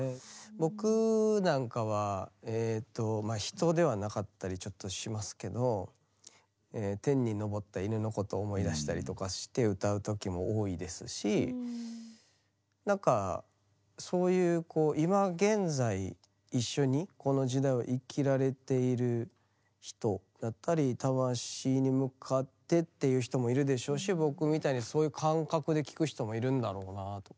僕なんかはえとまあ人ではなかったりちょっとしますけどえ天に昇った犬のこと思い出したりとかして歌う時も多いですし何かそういうこう今現在一緒にこの時代を生きられている人だったり魂に向かってっていう人もいるでしょうし僕みたいにそういう感覚で聴く人もいるんだろうなあとか。